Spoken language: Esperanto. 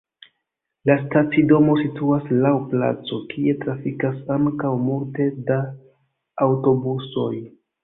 La stacidomo situas laŭ placo, kie trafikas ankaŭ multe da aŭtobusoj.